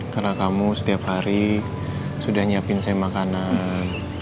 karena kamu setiap hari sudah nyiapin saya makanan